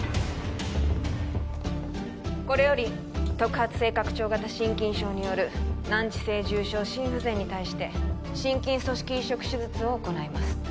これより特発性拡張型心筋症による難治性重症心不全に対して心筋組織移植手術を行います